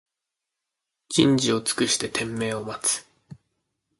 人事を尽くして天命を待つ